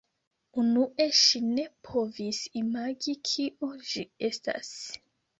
Unue ŝi ne povis imagi kio ĝi estas.